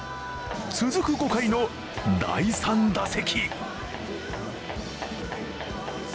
続く５回の第３打席。